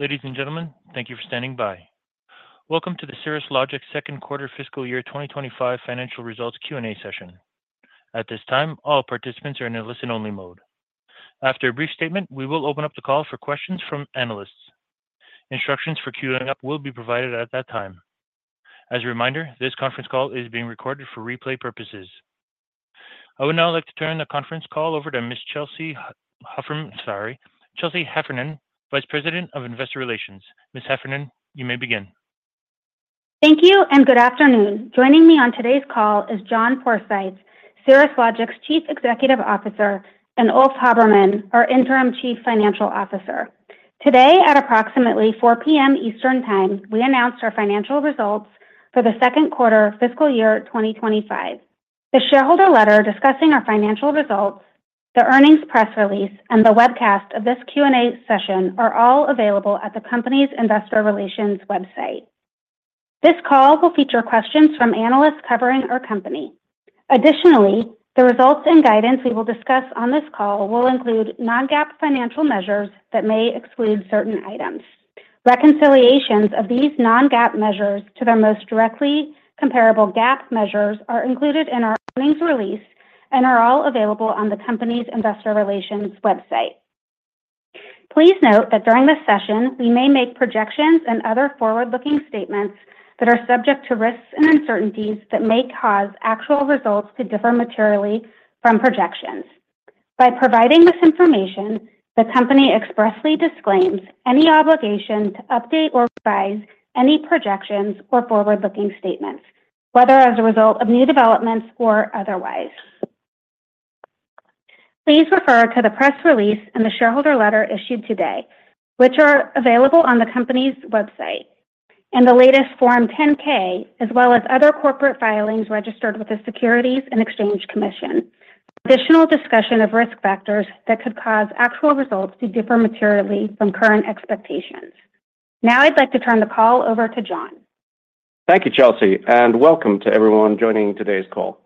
Ladies and gentlemen, thank you for standing by. Welcome to the Cirrus Logic Second Quarter Fiscal Year 2025 financial results Q&A session. At this time, all participants are in a listen-only mode. After a brief statement, we will open up the call for questions from analysts. Instructions for queuing up will be provided at that time. As a reminder, this conference call is being recorded for replay purposes. I would now like to turn the conference call over to Ms. Chelsea Heffernan, Vice President of Investor Relations. Ms. Heffernan, you may begin. Thank you, and good afternoon. Joining me on today's call is John Forsyth, Cirrus Logic's Chief Executive Officer, and Ulf Habermann, our Interim Chief Financial Officer. Today, at approximately 4:00 P.M. Eastern Time, we announced our financial results for the second quarter fiscal year 2025. The shareholder letter discussing our financial results, the earnings press release, and the webcast of this Q&A session are all available at the company's Investor Relations website. This call will feature questions from analysts covering our company. Additionally, the results and guidance we will discuss on this call will include non-GAAP financial measures that may exclude certain items. Reconciliations of these non-GAAP measures to their most directly comparable GAAP measures are included in our earnings release and are all available on the company's Investor Relations website. Please note that during this session, we may make projections and other forward-looking statements that are subject to risks and uncertainties that may cause actual results to differ materially from projections. By providing this information, the company expressly disclaims any obligation to update or revise any projections or forward-looking statements, whether as a result of new developments or otherwise. Please refer to the press release and the shareholder letter issued today, which are available on the company's website, and the latest Form 10-K, as well as other corporate filings registered with the Securities and Exchange Commission, for additional discussion of risk factors that could cause actual results to differ materially from current expectations. Now, I'd like to turn the call over to John. Thank you, Chelsea, and welcome to everyone joining today's call.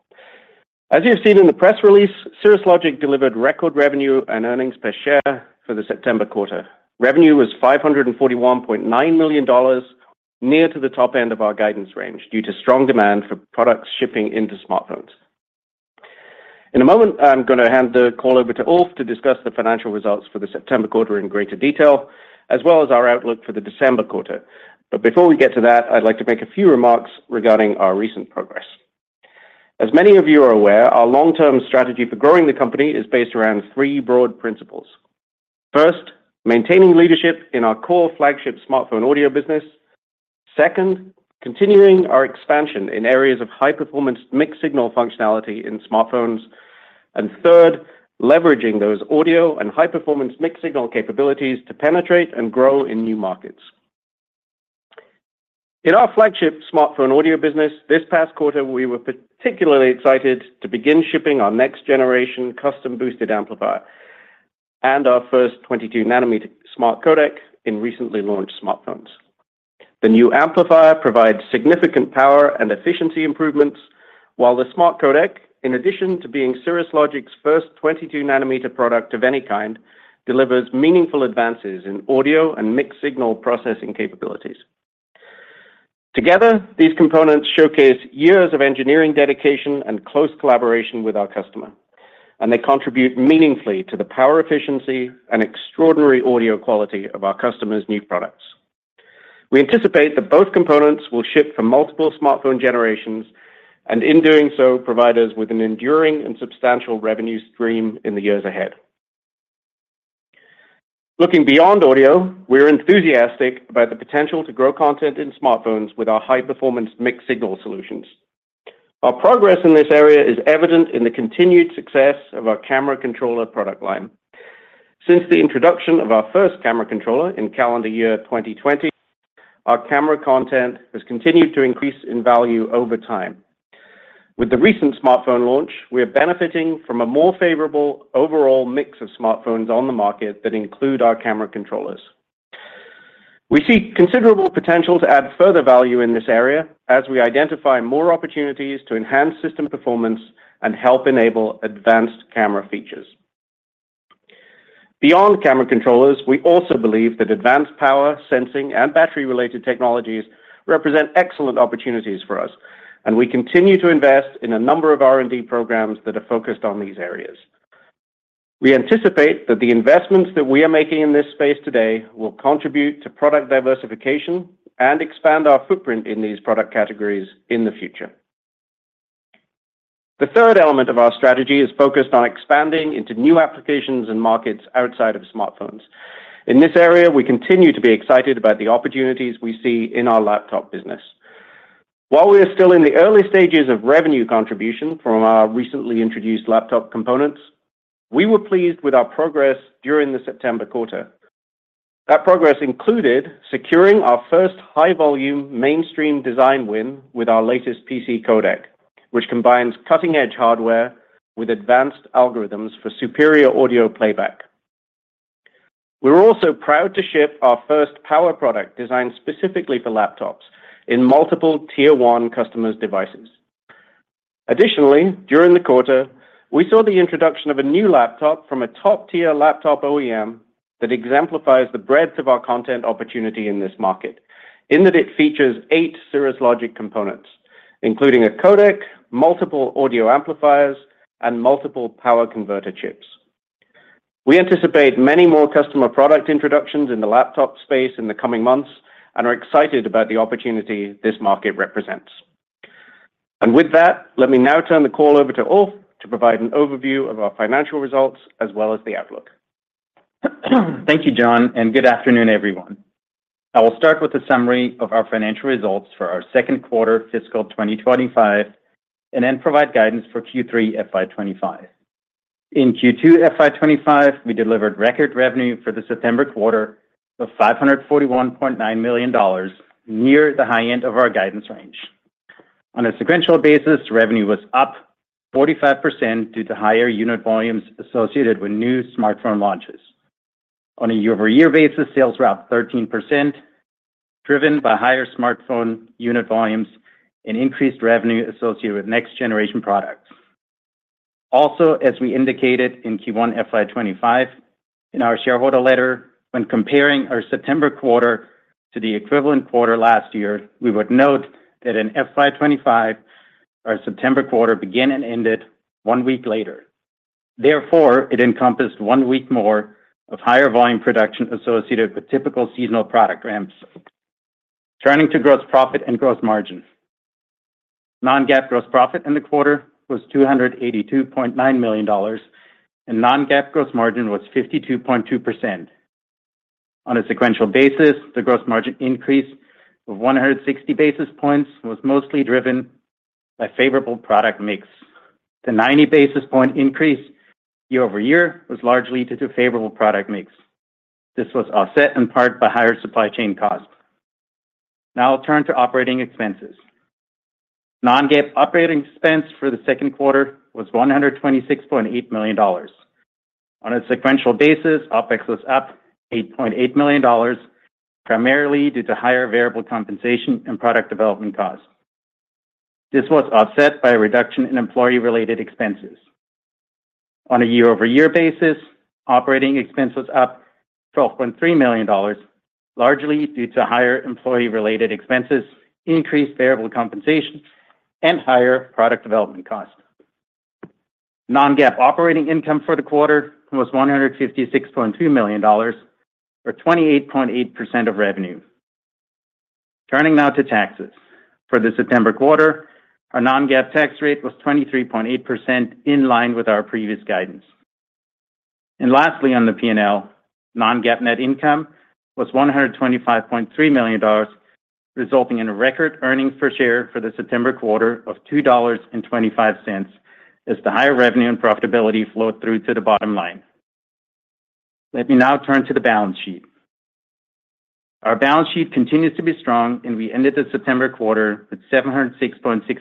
As you've seen in the press release, Cirrus Logic delivered record revenue and earnings per share for the September quarter. Revenue was $541.9 million, near to the top end of our guidance range due to strong demand for products shipping into smartphones. In a moment, I'm going to hand the call over to Ulf to discuss the financial results for the September quarter in greater detail, as well as our outlook for the December quarter. But before we get to that, I'd like to make a few remarks regarding our recent progress. As many of you are aware, our long-term strategy for growing the company is based around three broad principles. First, maintaining leadership in our core flagship smartphone audio business. Second, continuing our expansion in areas of high-performance mixed-signal functionality in smartphones. Third, leveraging those audio and high-performance mixed-signal capabilities to penetrate and grow in new markets. In our flagship smartphone audio business, this past quarter, we were particularly excited to begin shipping our next-generation custom-boosted amplifier and our first 22-nanometer smart codec in recently launched smartphones. The new amplifier provides significant power and efficiency improvements, while the Smart Codec, in addition to being Cirrus Logic's first 22-nanometer product of any kind, delivers meaningful advances in audio and mixed-signal processing capabilities. Together, these components showcase years of engineering dedication and close collaboration with our customer, and they contribute meaningfully to the power efficiency and extraordinary audio quality of our customers' new products. We anticipate that both components will ship for multiple smartphone generations and, in doing so, provide us with an enduring and substantial revenue stream in the years ahead. Looking beyond audio, we're enthusiastic about the potential to grow content in smartphones with our high-performance mixed-signal solutions. Our progress in this area is evident in the continued success of our camera controller product line. Since the introduction of our first camera controller in calendar year 2020, our camera content has continued to increase in value over time. With the recent smartphone launch, we're benefiting from a more favorable overall mix of smartphones on the market that include our camera controllers. We see considerable potential to add further value in this area as we identify more opportunities to enhance system performance and help enable advanced camera features. Beyond camera controllers, we also believe that advanced power, sensing, and battery-related technologies represent excellent opportunities for us, and we continue to invest in a number of R&D programs that are focused on these areas. We anticipate that the investments that we are making in this space today will contribute to product diversification and expand our footprint in these product categories in the future. The third element of our strategy is focused on expanding into new applications and markets outside of smartphones. In this area, we continue to be excited about the opportunities we see in our laptop business. While we are still in the early stages of revenue contribution from our recently introduced laptop components, we were pleased with our progress during the September quarter. That progress included securing our first high-volume mainstream design win with our latest PC codec, which combines cutting-edge hardware with advanced algorithms for superior audio playback. We were also proud to ship our first power product designed specifically for laptops in multiple tier-one customers' devices. Additionally, during the quarter, we saw the introduction of a new laptop from a top-tier laptop OEM that exemplifies the breadth of our content opportunity in this market, in that it features eight Cirrus Logic components, including a codec, multiple audio amplifiers, and multiple power converter chips. We anticipate many more customer product introductions in the laptop space in the coming months and are excited about the opportunity this market represents. And with that, let me now turn the call over to Ulf to provide an overview of our financial results as well as the outlook. Thank you, John, and good afternoon, everyone. I will start with a summary of our financial results for our second quarter fiscal 2025 and then provide guidance for Q3 FY 2025. In Q2 FY 2025, we delivered record revenue for the September quarter of $541.9 million, near the high end of our guidance range. On a sequential basis, revenue was up 45% due to higher unit volumes associated with new smartphone launches. On a year-over-year basis, sales were up 13%, driven by higher smartphone unit volumes and increased revenue associated with next-generation products. Also, as we indicated in Q1 FY 2025, in our shareholder letter, when comparing our September quarter to the equivalent quarter last year, we would note that in FY 2025, our September quarter began and ended one week later. Therefore, it encompassed one week more of higher volume production associated with typical seasonal product ramps. Turning to gross profit and gross margin, non-GAAP gross profit in the quarter was $282.9 million, and non-GAAP gross margin was 52.2%. On a sequential basis, the gross margin increase of 160 basis points was mostly driven by favorable product mix. The 90 basis point increase year-over-year was largely due to favorable product mix. This was offset in part by higher supply chain costs. Now, I'll turn to operating expenses. Non-GAAP operating expense for the second quarter was $126.8 million. On a sequential basis, OPEX was up $8.8 million, primarily due to higher variable compensation and product development costs. This was offset by a reduction in employee-related expenses. On a year-over-year basis, operating expense was up $12.3 million, largely due to higher employee-related expenses, increased variable compensation, and higher product development costs. Non-GAAP operating income for the quarter was $156.2 million, or 28.8% of revenue. Turning now to taxes, for the September quarter, our non-GAAP tax rate was 23.8%, in line with our previous guidance. And lastly, on the P&L, non-GAAP net income was $125.3 million, resulting in a record earnings per share for the September quarter of $2.25, as the higher revenue and profitability flowed through to the bottom line. Let me now turn to the balance sheet. Our balance sheet continues to be strong, and we ended the September quarter with $706.6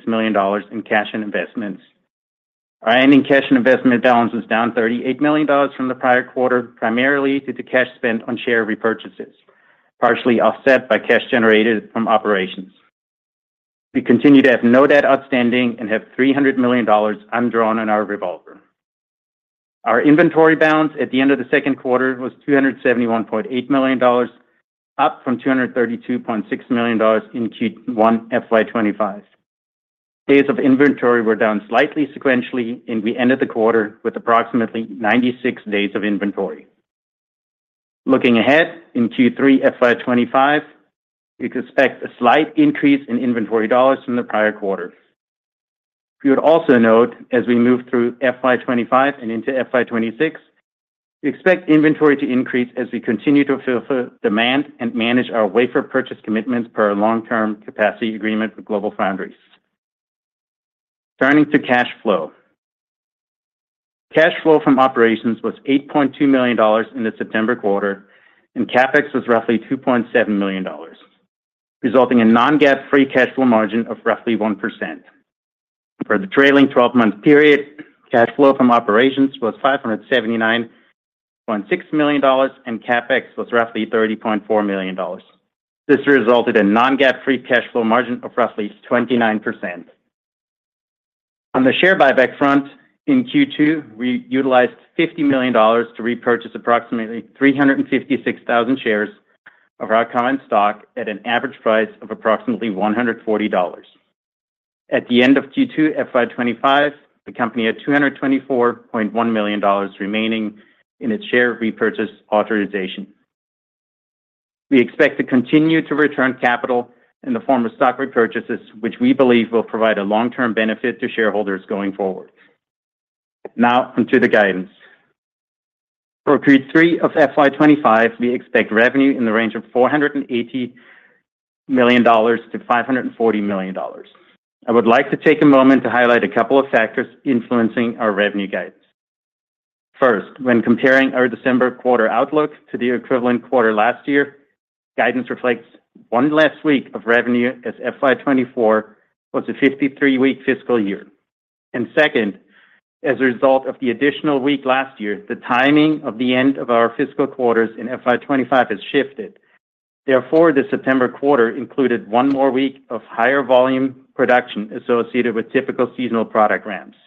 million in cash and investments. Our ending cash and investment balance was down $38 million from the prior quarter, primarily due to cash spent on share repurchases, partially offset by cash generated from operations. We continue to have no debt outstanding and have $300 million undrawn in our revolver. Our inventory balance at the end of the second quarter was $271.8 million, up from $232.6 million in Q1 FY 2025. Days of inventory were down slightly sequentially, and we ended the quarter with approximately 96 days of inventory. Looking ahead in Q3 FY 2025, we expect a slight increase in inventory dollars from the prior quarter. We would also note, as we move through FY 2025 and into FY 2026, we expect inventory to increase as we continue to fulfill demand and manage our wafer purchase commitments per our long-term capacity agreement with GlobalFoundries. Turning to cash flow, cash flow from operations was $8.2 million in the September quarter, and CapEx was roughly $2.7 million, resulting in non-GAAP free cash flow margin of roughly 1%. For the trailing 12-month period, cash flow from operations was $579.6 million, and CapEx was roughly $30.4 million. This resulted in non-GAAP free cash flow margin of roughly 29%. On the share buyback front, in Q2, we utilized $50 million to repurchase approximately 356,000 shares of our common stock at an average price of approximately $140. At the end of Q2 FY 2025, the company had $224.1 million remaining in its share repurchase authorization. We expect to continue to return capital in the form of stock repurchases, which we believe will provide a long-term benefit to shareholders going forward. Now, onto the guidance. For Q3 of FY 2025, we expect revenue in the range of $480 million-$540 million. I would like to take a moment to highlight a couple of factors influencing our revenue guidance. First, when comparing our December quarter outlook to the equivalent quarter last year, guidance reflects one less week of revenue as FY 2024 was a 53-week fiscal year. And second, as a result of the additional week last year, the timing of the end of our fiscal quarters in FY 2025 has shifted. Therefore, the September quarter included one more week of higher volume production associated with typical seasonal product ramps.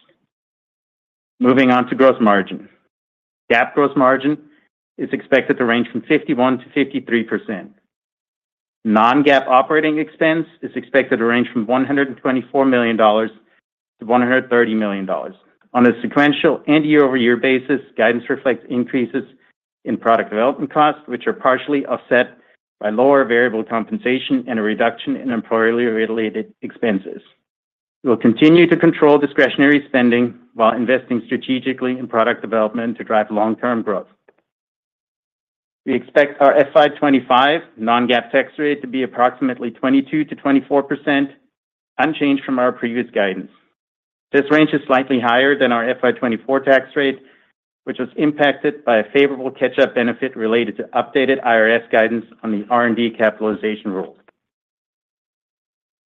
Moving on to gross margin, GAAP gross margin is expected to range from 51%-53%. Non-GAAP operating expense is expected to range from $124 million-$130 million. On a sequential and year-over-year basis, guidance reflects increases in product development costs, which are partially offset by lower variable compensation and a reduction in employee-related expenses. We will continue to control discretionary spending while investing strategically in product development to drive long-term growth. We expect our FY 2025 non-GAAP tax rate to be approximately 22%-24%, unchanged from our previous guidance. This range is slightly higher than our FY 2024 tax rate, which was impacted by a favorable catch-up benefit related to updated IRS guidance on the R&D capitalization rule.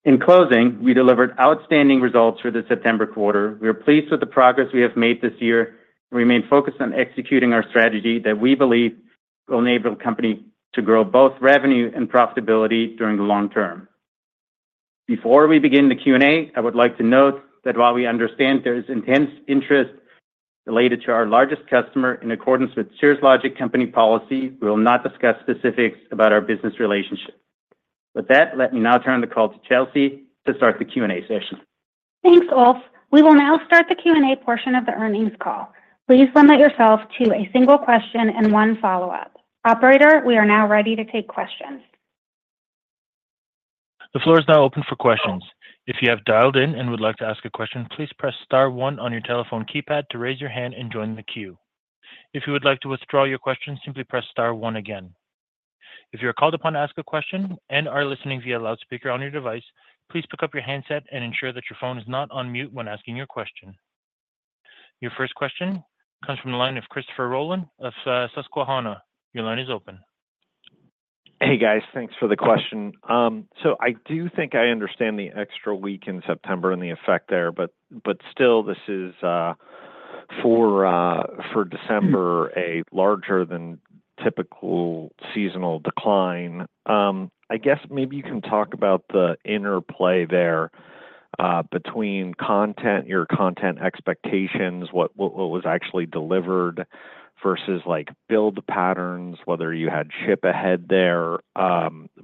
In closing, we delivered outstanding results for the September quarter. We are pleased with the progress we have made this year and remain focused on executing our strategy that we believe will enable the company to grow both revenue and profitability during the long term. Before we begin the Q&A, I would like to note that while we understand there is intense interest related to our largest customer, in accordance with Cirrus Logic company policy, we will not discuss specifics about our business relationship. With that, let me now turn the call to Chelsea to start the Q&A session. Thanks, Ulf. We will now start the Q&A portion of the earnings call. Please limit yourself to a single question and one follow-up. Operator, we are now ready to take questions. The floor is now open for questions. If you have dialed in and would like to ask a question, please press star one on your telephone keypad to raise your hand and join the queue. If you would like to withdraw your question, simply press star one again. If you are called upon to ask a question and are listening via loudspeaker on your device, please pick up your handset and ensure that your phone is not on mute when asking your question. Your first question comes from the line of Christopher Rolland of Susquehanna. Your line is open. Hey, guys. Thanks for the question, so I do think I understand the extra week in September and the effect there, but still, this is for December a larger than typical seasonal decline. I guess maybe you can talk about the interplay there between your content expectations, what was actually delivered versus build patterns, whether you had ship ahead there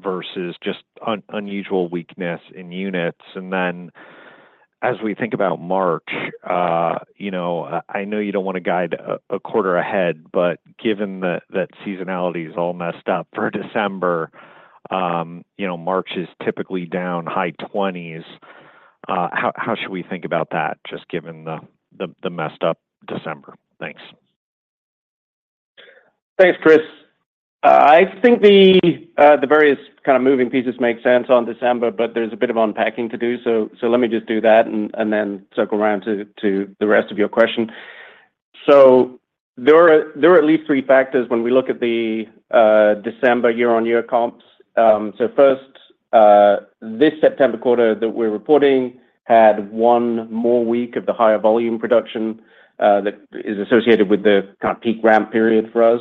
versus just unusual weakness in units, and then as we think about March, I know you don't want to guide a quarter ahead, but given that seasonality is all messed up for December, March is typically down high-20s. How should we think about that, just given the messed up December? Thanks. Thanks, Chris. I think the various kind of moving pieces make sense on December, but there's a bit of unpacking to do. So let me just do that and then circle around to the rest of your question. So there are at least three factors when we look at the December year-on-year comps. So first, this September quarter that we're reporting had one more week of the higher volume production that is associated with the kind of peak ramp period for us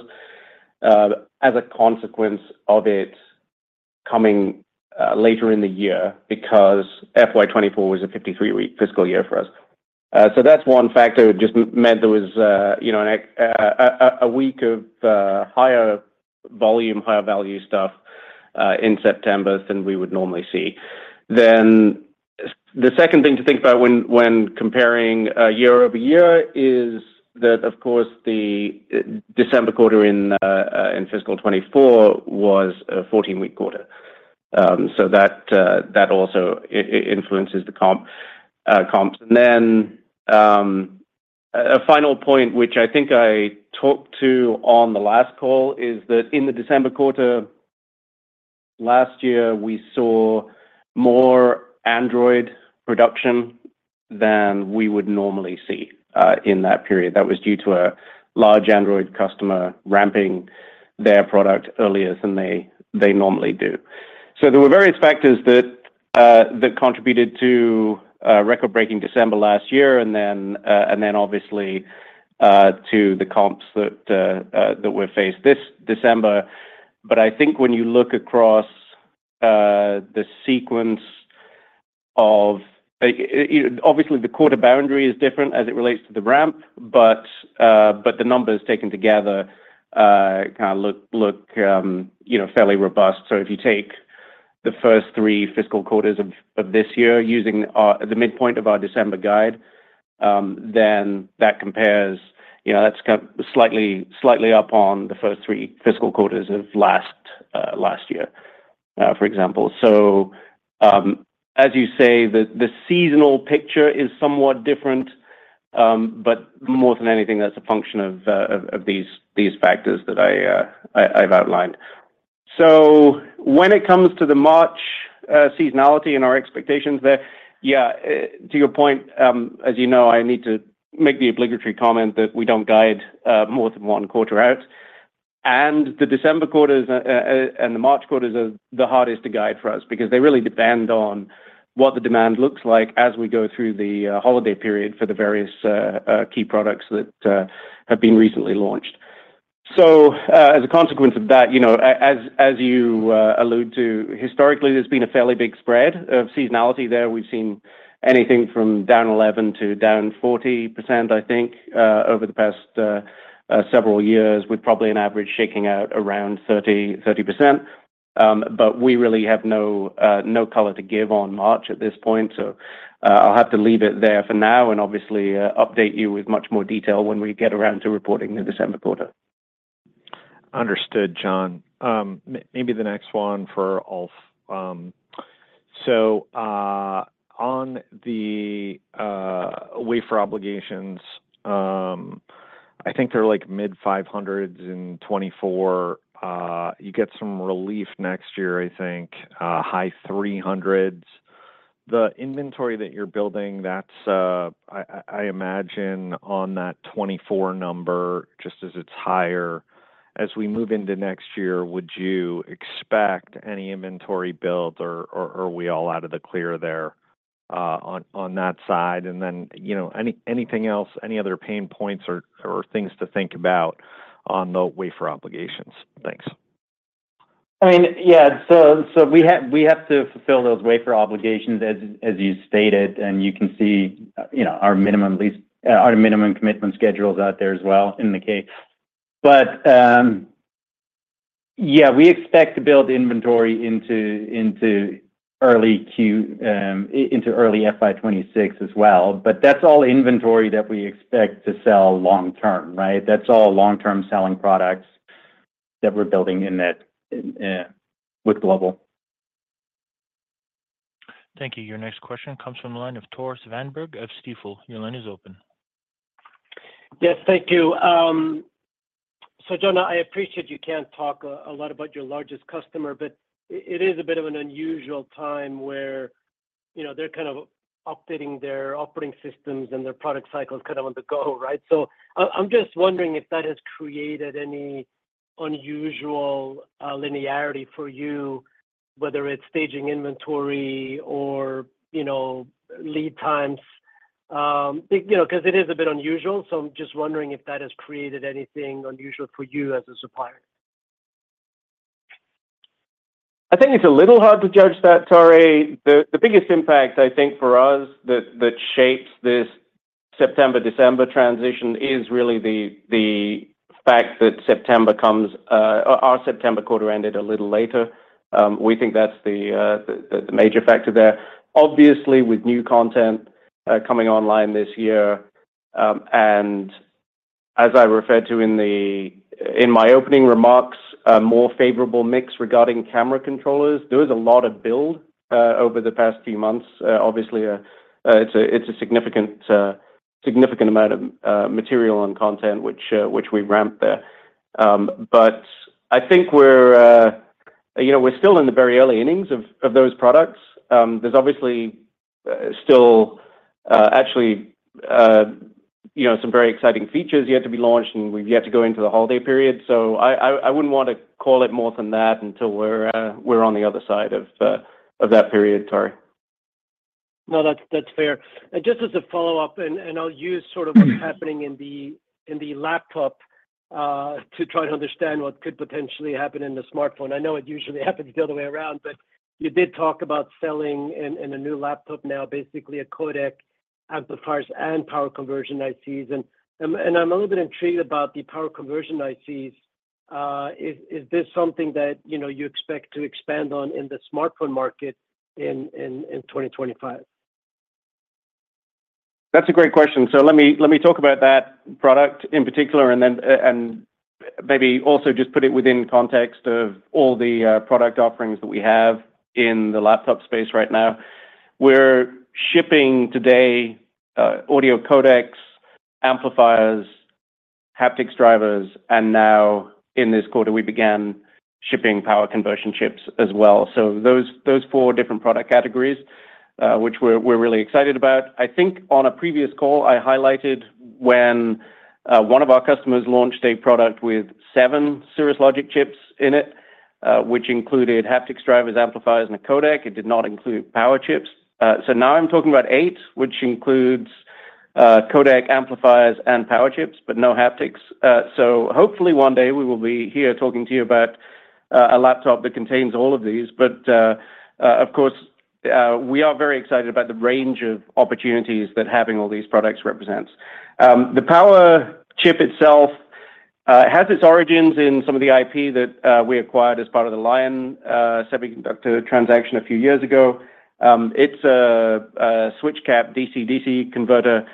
as a consequence of it coming later in the year because FY 2024 was a 53-week fiscal year for us. So that's one factor. It just meant there was a week of higher volume, higher value stuff in September than we would normally see. Then the second thing to think about when comparing year-over-year is that, of course, the December quarter in fiscal 24 was a 14-week quarter. So that also influences the comps. And then a final point, which I think I talked to on the last call, is that in the December quarter last year, we saw more Android production than we would normally see in that period. That was due to a large Android customer ramping their product earlier than they normally do. So there were various factors that contributed to record-breaking December last year and then obviously to the comps that we've faced this December. But I think when you look across the sequence of, obviously, the quarter boundary is different as it relates to the ramp, but the numbers taken together kind of look fairly robust. So if you take the first three fiscal quarters of this year using the midpoint of our December guide, then that compares. That's slightly up on the first three fiscal quarters of last year, for example. So as you say, the seasonal picture is somewhat different, but more than anything, that's a function of these factors that I've outlined. So when it comes to the March seasonality and our expectations there, yeah, to your point, as you know, I need to make the obligatory comment that we don't guide more than one quarter out. And the December quarters and the March quarters are the hardest to guide for us because they really depend on what the demand looks like as we go through the holiday period for the various key products that have been recently launched. So as a consequence of that, as you allude to, historically, there's been a fairly big spread of seasonality there. We've seen anything from down 11% to down 40%, I think, over the past several years with probably an average shaking out around 30%. But we really have no color to give on March at this point. So I'll have to leave it there for now and obviously update you with much more detail when we get around to reporting the December quarter. Understood, John. Maybe the next one for Ulf. So on the wafer obligations, I think they're like mid-500s in 2024. You get some relief next year, I think, high-300s. The inventory that you're building, I imagine on that 2024 number, just as it's higher, as we move into next year, would you expect any inventory builds or are we all out of the clear there on that side? And then anything else, any other pain points or things to think about on the wafer obligations? Thanks. I mean, yeah. So we have to fulfill those wafer obligations as you stated, and you can see our minimum commitment schedules out there as well in the 10-K. But yeah, we expect to build inventory into early FY 2026 as well. But that's all inventory that we expect to sell long-term, right? That's all long-term selling products that we're building with Global. Thank you. Your next question comes from the line of Tore Svanberg of Stifel. Your line is open. Yes, thank you. So John, I appreciate you can't talk a lot about your largest customer, but it is a bit of an unusual time where they're kind of updating their operating systems and their product cycles kind of on the go, right? So I'm just wondering if that has created any unusual linearity for you, whether it's staging inventory or lead times, because it is a bit unusual. So I'm just wondering if that has created anything unusual for you as a supplier. I think it's a little hard to judge that, Tore. The biggest impact, I think, for us that shapes this September-December transition is really the fact that our September quarter ended a little later. We think that's the major factor there. Obviously, with new content coming online this year, and as I referred to in my opening remarks, a more favorable mix regarding camera controllers. There was a lot of build over the past few months. Obviously, it's a significant amount of material and content which we ramped there. But I think we're still in the very early innings of those products. There's obviously still actually some very exciting features yet to be launched, and we've yet to go into the holiday period. So I wouldn't want to call it more than that until we're on the other side of that period, Tore. No, that's fair. And just as a follow-up, and I'll use sort of what's happening in the laptop to try to understand what could potentially happen in the smartphone. I know it usually happens the other way around, but you did talk about selling in a new laptop now, basically a codec amplifiers and power conversion ICs. And I'm a little bit intrigued about the power conversion ICs. Is this something that you expect to expand on in the smartphone market in 2025? That's a great question. So let me talk about that product in particular and then maybe also just put it within context of all the product offerings that we have in the laptop space right now. We're shipping today audio codecs, amplifiers, haptics drivers, and now in this quarter, we began shipping power conversion chips as well. So those four different product categories, which we're really excited about. I think on a previous call, I highlighted when one of our customers launched a product with seven Cirrus Logic chips in it, which included haptics drivers, amplifiers, and a codec. It did not include power chips. So now I'm talking about eight, which includes codec, amplifiers, and power chips, but no haptics. So hopefully one day we will be here talking to you about a laptop that contains all of these. But of course, we are very excited about the range of opportunities that having all these products represents. The power chip itself has its origins in some of the IP that we acquired as part of the Lion Semiconductor transaction a few years ago. It's a switched-cap DC-DC converter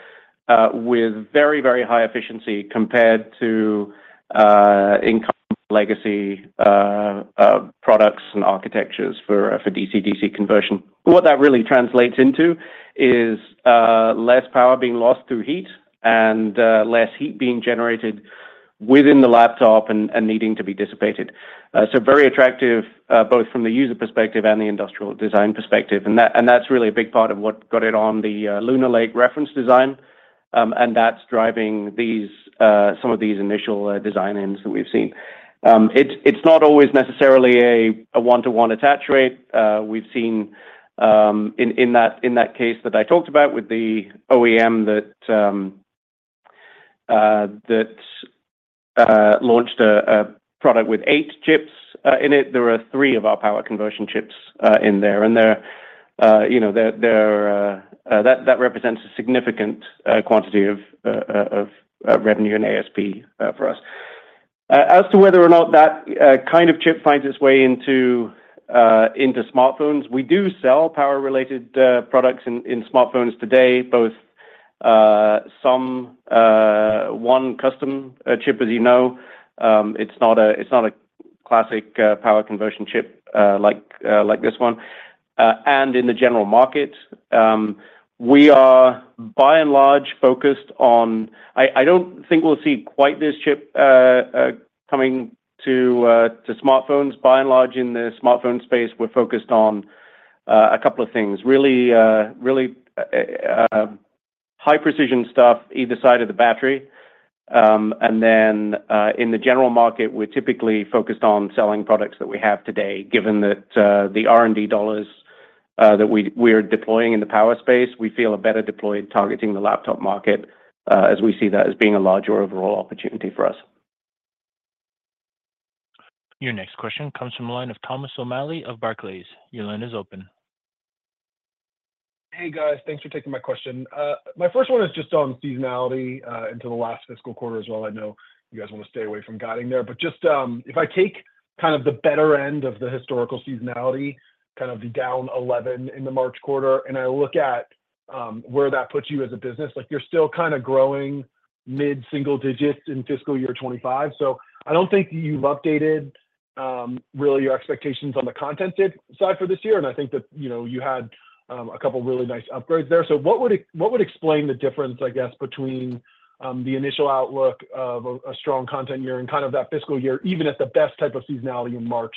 with very, very high efficiency compared to legacy products and architectures for DC-DC conversion. What that really translates into is less power being lost through heat and less heat being generated within the laptop and needing to be dissipated. So very attractive both from the user perspective and the industrial design perspective. And that's really a big part of what got it on the Lunar Lake reference design, and that's driving some of these initial design wins that we've seen. It's not always necessarily a one-to-one attach rate. We've seen in that case that I talked about with the OEM that launched a product with eight chips in it, there were three of our power conversion chips in there. And that represents a significant quantity of revenue and ASP for us. As to whether or not that kind of chip finds its way into smartphones, we do sell power-related products in smartphones today, both some one custom chip, as you know. It's not a classic power conversion chip like this one. And in the general market, we are by and large focused on. I don't think we'll see quite this chip coming to smartphones. By and large in the smartphone space, we're focused on a couple of things. Really high-precision stuff either side of the battery. And then in the general market, we're typically focused on selling products that we have today. Given that the R&D dollars that we are deploying in the power space, we feel a better deploy targeting the laptop market as we see that as being a larger overall opportunity for us. Your next question comes from the line of Thomas O'Malley of Barclays. Your line is open. Hey, guys. Thanks for taking my question. My first one is just on seasonality into the last fiscal quarter as well. I know you guys want to stay away from guiding there. But just if I take kind of the better end of the historical seasonality, kind of the down 11 in the March quarter, and I look at where that puts you as a business, you're still kind of growing mid-single digits in fiscal year 2025. So I don't think you've updated really your expectations on the content side for this year. And I think that you had a couple of really nice upgrades there. So what would explain the difference, I guess, between the initial outlook of a strong content year and kind of that fiscal year, even at the best type of seasonality in March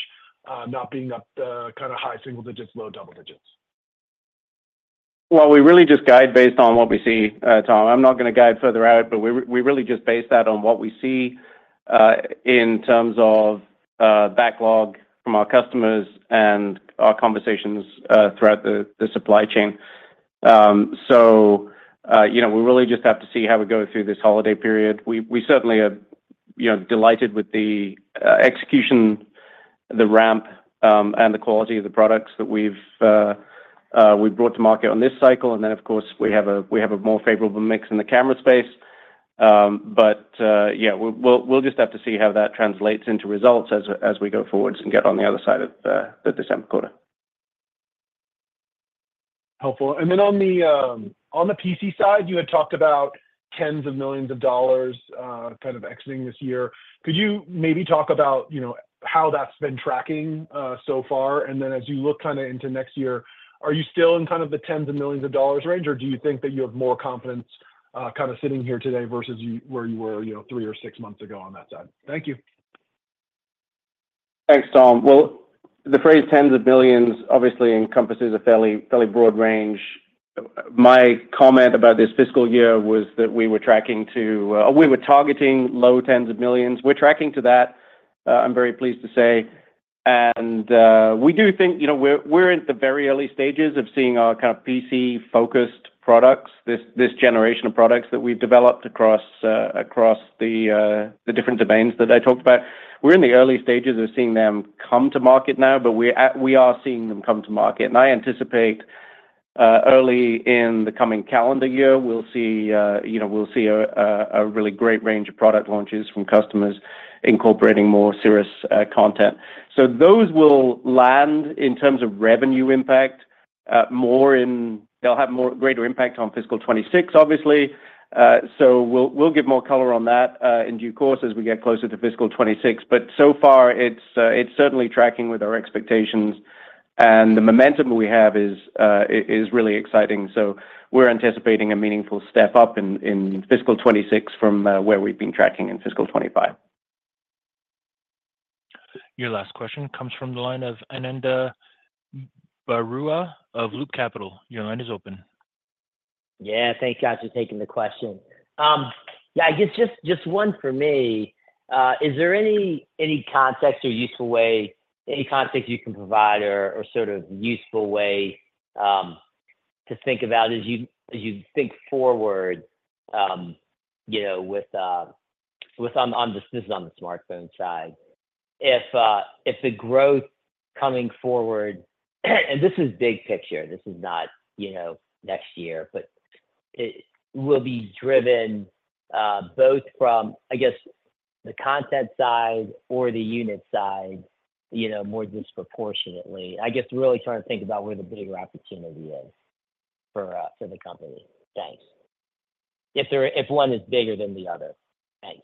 not being kind of high single digits, low double digits? We really just guide based on what we see, Tom. I'm not going to guide further out, but we really just base that on what we see in terms of backlog from our customers and our conversations throughout the supply chain. We really just have to see how we go through this holiday period. We certainly are delighted with the execution, the ramp, and the quality of the products that we've brought to market on this cycle. Then, of course, we have a more favorable mix in the camera space. Yeah, we'll just have to see how that translates into results as we go forward and get on the other side of the December quarter. Helpful. And then on the PC side, you had talked about tens of millions of dollars kind of exiting this year. Could you maybe talk about how that's been tracking so far? And then as you look kind of into next year, are you still in kind of the tens of millions of dollars range, or do you think that you have more confidence kind of sitting here today versus where you were three or six months ago on that side? Thank you. Thanks, Tom. The phrase tens of millions obviously encompasses a fairly broad range. My comment about this fiscal year was that we were targeting low tens of millions. We're tracking to that, I'm very pleased to say. And we do think we're in the very early stages of seeing our kind of PC-focused products, this generation of products that we've developed across the different domains that I talked about. We're in the early stages of seeing them come to market now, but we are seeing them come to market. And I anticipate early in the coming calendar year, we'll see a really great range of product launches from customers incorporating more Cirrus content. So those will land in terms of revenue impact more in. They'll have greater impact on fiscal 2026, obviously. So we'll give more color on that in due course as we get closer to fiscal 2026. But so far, it's certainly tracking with our expectations. And the momentum we have is really exciting. So we're anticipating a meaningful step up in fiscal 2026 from where we've been tracking in fiscal 2025. Your last question comes from the line of Ananda Baruah of Loop Capital. Your line is open. Yeah. Thank you for taking the question. Yeah, I guess just one for me. Is there any context or useful way, any context you can provide or sort of useful way to think about as you think forward with on this is on the smartphone side, if the growth coming forward, and this is big picture. This is not next year, but it will be driven both from, I guess, the content side or the unit side more disproportionately. I guess really trying to think about where the bigger opportunity is for the company. Thanks. If one is bigger than the other. Thanks.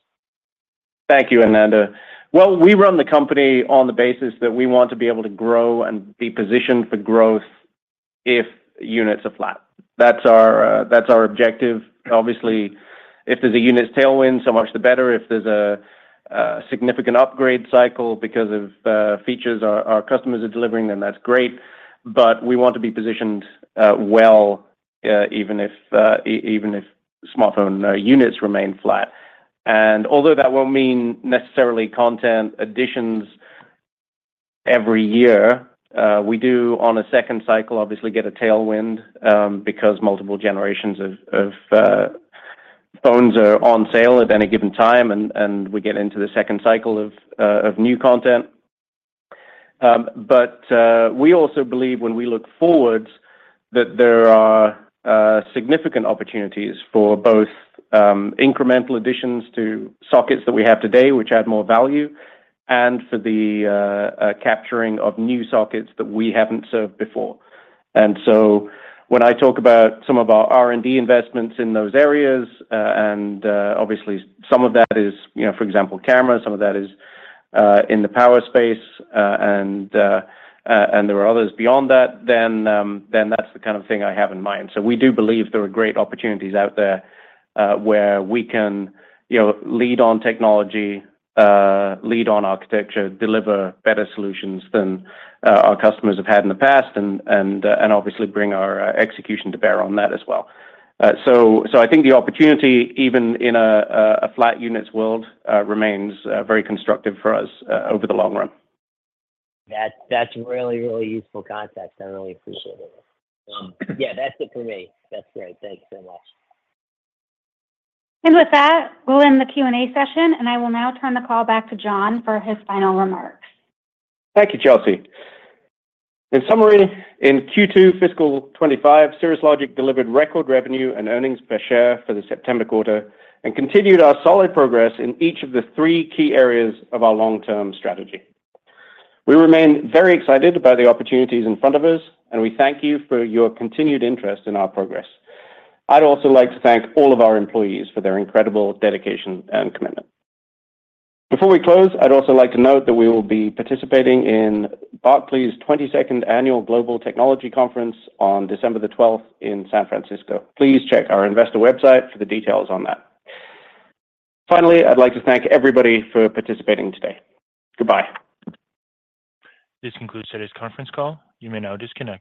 Thank you, Ananda. Well, we run the company on the basis that we want to be able to grow and be positioned for growth if units are flat. That's our objective. Obviously, if there's a unit's tailwind, so much the better. If there's a significant upgrade cycle because of features our customers are delivering, then that's great. But we want to be positioned well even if smartphone units remain flat. And although that won't mean necessarily content additions every year, we do on a second cycle, obviously, get a tailwind because multiple generations of phones are on sale at any given time, and we get into the second cycle of new content. But we also believe when we look forward that there are significant opportunities for both incremental additions to sockets that we have today, which add more value, and for the capturing of new sockets that we haven't served before. And so when I talk about some of our R&D investments in those areas, and obviously some of that is, for example, camera, some of that is in the power space, and there are others beyond that, then that's the kind of thing I have in mind. So we do believe there are great opportunities out there where we can lead on technology, lead on architecture, deliver better solutions than our customers have had in the past, and obviously bring our execution to bear on that as well. So I think the opportunity, even in a flat units world, remains very constructive for us over the long run. That's really, really useful context. I really appreciate it. Yeah, that's it for me. That's great. Thanks so much. With that, we'll end the Q&A session, and I will now turn the call back to John for his final remarks. Thank you, Chelsea. In summary, in Q2 fiscal 2025, Cirrus Logic delivered record revenue and earnings per share for the September quarter and continued our solid progress in each of the three key areas of our long-term strategy. We remain very excited by the opportunities in front of us, and we thank you for your continued interest in our progress. I'd also like to thank all of our employees for their incredible dedication and commitment. Before we close, I'd also like to note that we will be participating in Barclays' 22nd Annual Global Technology Conference on December the 12th in San Francisco. Please check our investor website for the details on that. Finally, I'd like to thank everybody for participating today. Goodbye. This concludes today's conference call. You may now disconnect.